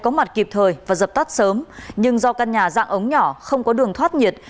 có mặt kịp thời và dập tắt sớm nhưng do căn nhà dạng ống nhỏ không có đường thoát nhiệt